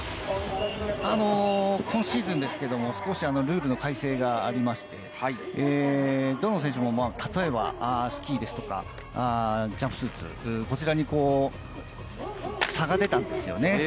今シーズン、少しルールの改正がありまして、どの選手も例えば、スキーですとかジャンプスーツ、こちらに差が出たんですよね。